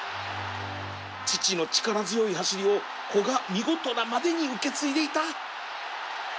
父の力強い走りを子が見事なまでに受け継いでいた